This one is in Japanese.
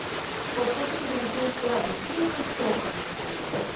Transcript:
ポストシーズン進出は絶望的といわれているんです。